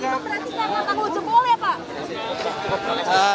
tidak tanggul jempol ya pak